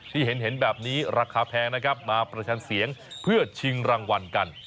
ที่เห็นแบบนี้ราคาแพงนะครับมาประชันเสียงเพื่อชิงรางวัลกัน